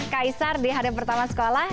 kaisar di hari pertama sekolah